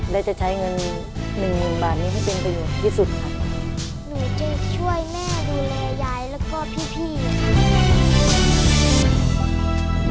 และจะใช้เงิน๑๐๐๐๐บาทนี้ให้เป็นประโยชน์ที่สุดครับ